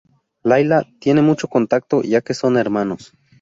Laila: tienen mucho contacto ya que son hermanos.